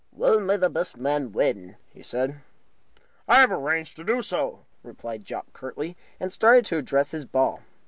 "Well, may the best man win," he said. "I have arranged to do so," replied Jopp, curtly, and started to address his ball.